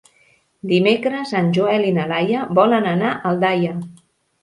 Dimecres en Joel i na Laia volen anar a Aldaia.